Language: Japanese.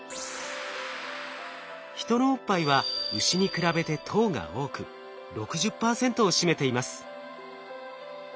ヒトのおっぱいはウシに比べて糖が多く６０％を占めています。